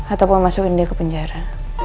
ataupun masukin dia ke penjara